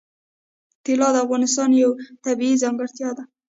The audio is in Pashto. طلا د افغانستان یوه طبیعي ځانګړتیا ده.